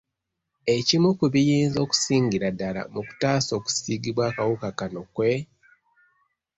Ekimu ku biyinza okusingira ddala mu kutaasa okusiigibwa akawuka kano kwe